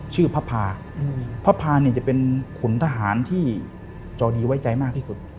ชื่อพระพาพระพาเนี่ยจะเป็นขุนทหารที่จอดีไว้ใจมากที่สุด